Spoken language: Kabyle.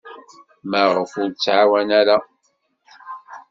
Maɣef ur k-tɛawen ara?